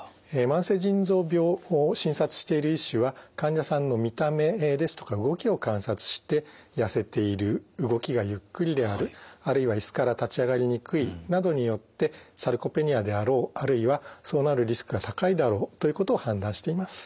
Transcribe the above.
慢性腎臓病を診察している医師は患者さんの見た目ですとか動きを観察してやせている動きがゆっくりであるあるいはイスから立ち上がりにくいなどによってサルコペニアであろうあるいはそうなるリスクが高いだろうということを判断しています。